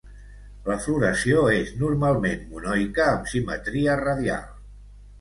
La floració és normalment monoica amb simetria radial.